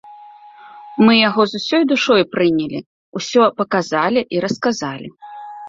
Мы яго з усёй душой прынялі, усё паказалі і расказалі.